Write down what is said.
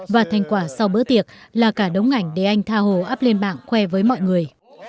và thành quả sau bữa tiệc là cả đống ảnh để anh tha hồ áp lên bảng khoe với mọi người